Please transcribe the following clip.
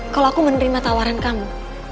kalau aku menerima tawaran kamu